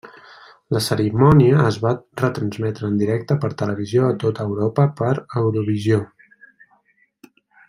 La cerimònia es va retransmetre en directe per televisió a tota Europa per Eurovisió.